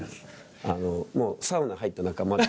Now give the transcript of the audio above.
サウナ入った仲間で。